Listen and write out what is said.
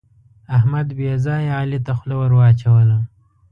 احمد بې ځایه علي ته خوله ور واچوله.